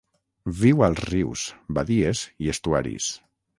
Viu als rius, badies i estuaris.